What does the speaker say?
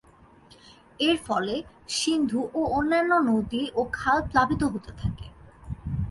এর ফলে সিন্ধু ও অন্যান্য নদী ও খাল প্লাবিত হতে থাকে।